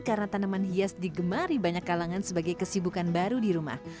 karena tanaman hias digemari banyak kalangan sebagai kesibukan baru di rumah